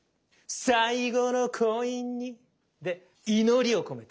「最後のコインに」で「祈りをこめて」。